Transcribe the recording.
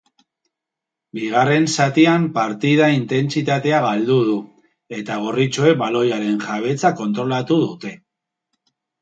Bigarren zatian partida intentsitatea galdu du, eta gorritxoek baloiaren jabetza kontrolatu dute.